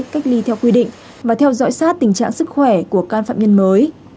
cách ly theo quy định và theo dõi sát tình trạng sức khỏe của can phạm nhân mới